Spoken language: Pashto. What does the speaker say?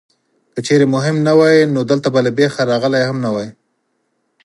که چېرې مهم نه وای نو دلته به له بېخه راغلی هم نه وې.